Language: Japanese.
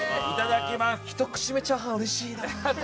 ひと口目チャーハン嬉しいな。